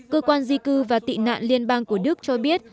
cơ quan di cư và tị nạn liên bang của đức cho biết